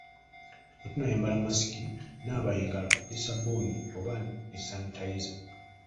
Nga tonnayambala masiki, naaba engalo ne ssabbuuni oba ne sanitayiza.